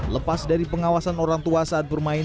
lepas dari pengawasan orang tua saat bermain